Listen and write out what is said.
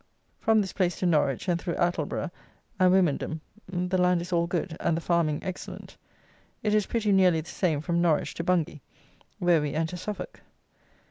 From this place to Norwich, and through Attleborough and Wymondham, the land is all good, and the farming excellent. It is pretty nearly the same from Norwich to Bungay, where we enter Suffolk.